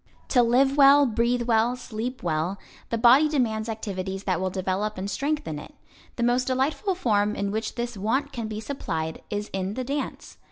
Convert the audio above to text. To live well, breathe well, sleep well, the body demands activities that will develop and strengthen it. The most delightful form in which this want can be supplied is in the dance.